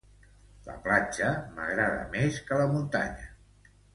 La platja m'agrada més que la muntanya.